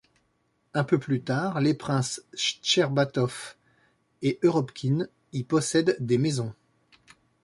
Un peu plus tard les princes Chtcherbatov et Eropkine y possèdent des maisons.